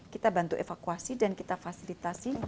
kita bantu evakuasi dan kita fasilitasi